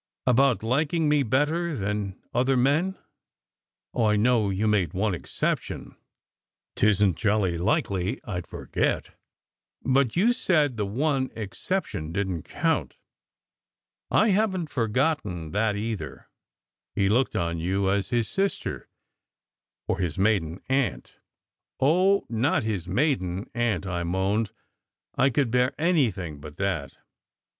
"About liking me better than other men? Oh, I know you made one exception. Tisn t jolly likely I d forget! But you said the One Exception didn t count. I haven t forgotten that either. He looked on you as his sister or his maiden aunt." "Oh, not his maiden aunt!" I moaned. "I could bear anything but that.